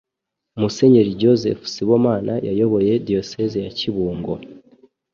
Musenyeri Joseph Sibomana yayoboye Diyosezi ya Kibungo